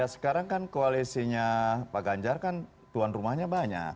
sekarang kan koalisinya pak ganjar kan tuan rumahnya banyak